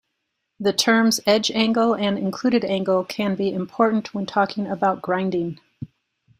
The terms "edge angle" and "included angle" can be important when talking about grinding.